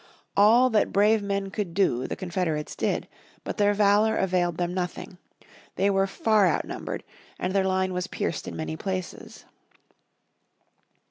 All that brave men could do the Confederates did. But their valour availed them nothing. They were far outnumbered, and their line was pierced in many places.